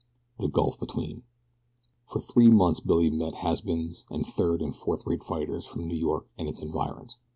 THE GULF BETWEEN FOR three months Billy met has beens, and third and fourth rate fighters from New York and its environs.